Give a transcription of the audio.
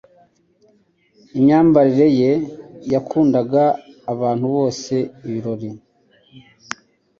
Imyambarire ye yakundaga abantu bose ibirori.